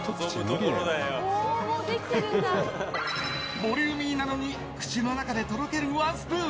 ボリューミーなのに口の中でとろけるワンスプーン。